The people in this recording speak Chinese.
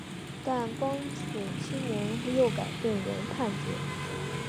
但光绪七年又改变原判决。